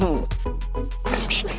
jangan berisik usus goreng